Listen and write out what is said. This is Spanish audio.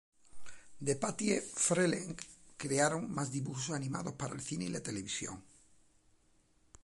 DePatie-Freleng crearon más dibujos animados para cine y televisión.